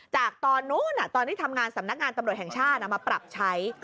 จากตอนนู้นตอนที่ทำงานสำนักงานตำรวจแห่งชาติมาปรับใช้